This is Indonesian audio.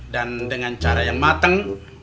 dan dengan cara yang mateng